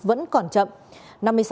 vẫn còn chậm